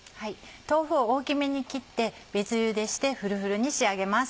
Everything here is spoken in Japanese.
豆腐を大きめに切って別ゆでしてフルフルに仕上げます。